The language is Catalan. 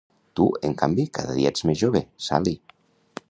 Tu, en canvi, cada dia ets més jove, Sally.